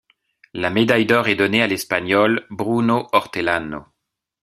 La médaille d'or est donnée à l'Espagnol Bruno Hortelano.